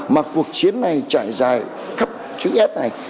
mà cuộc chiến này trải dài khắp chữ s này